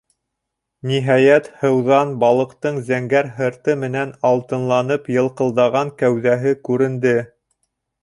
Ниһайәт, һыуҙан балыҡтың зәңгәр һырты менән алтынланып йылҡылдаған кәүҙәһе күренде.